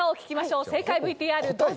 正解ＶＴＲどうぞ！